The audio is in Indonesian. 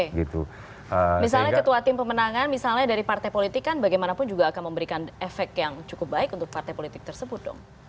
misalnya ketua tim pemenangan misalnya dari partai politik kan bagaimanapun juga akan memberikan efek yang cukup baik untuk partai politik tersebut dong